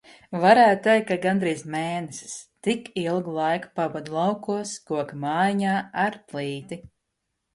Varētu teikt, ka gandrīz mēnesis. Tik ilgu laiku pavadu laukos, koka mājiņā ar plīti.